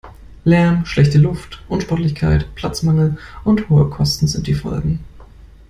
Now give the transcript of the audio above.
Lärm, schlechte Luft, Unsportlichkeit, Platzmangel und hohe Kosten sind die Folgen.